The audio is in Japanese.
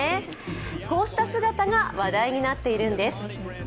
こうした姿が話題になっているんです。